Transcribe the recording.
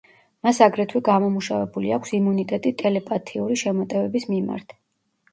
მას აგრეთვე გამომუშავებული აქვს იმუნიტეტი ტელეპათიური შემოტევების მიმართ.